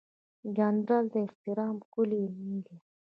جانداد د احترام ښکلی نوم دی.